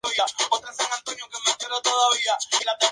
Estableció su capital en Sokoto.